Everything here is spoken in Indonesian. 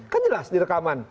kan jelas di rekaman